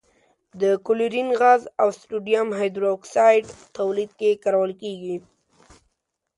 د کلورین غاز او سوډیم هایدرو اکسایډ تولید کې کارول کیږي.